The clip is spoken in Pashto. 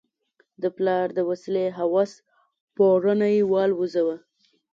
د پلار د وسلې هوس پوړونی والوزاوه.